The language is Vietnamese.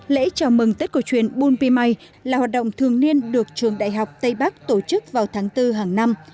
lễ chào mừng tết cổ truyền bùn pì mai là hoạt động thường niên được trường đại học tây bắc tổ chức vào tháng bốn hàng năm